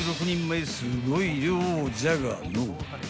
前すごい量じゃがのう］